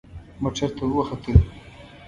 موټر ته وختلو.